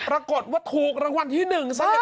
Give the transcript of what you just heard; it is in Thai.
ปรากฏว่าถูกรางวัลที่๑ซะอย่างนั้น